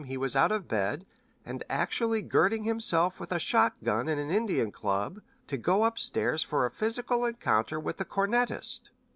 he was out of bed and actually girding himself with a shot gun and an Indian club to go up stairs for a physical encounter with the cornetist."